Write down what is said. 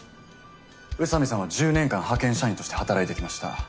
宇佐美さんは１０年間派遣社員として働いてきました。